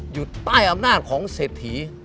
อยู่ใต้อำนาจของเศรษฐี